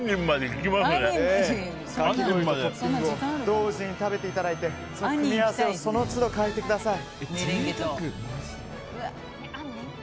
同時に食べていただいて組み合わせをその都度、変えてください。